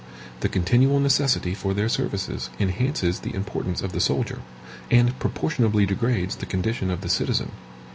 The continual necessity for their services enhances the importance of the soldier, and proportionably degrades the condition of the citizen.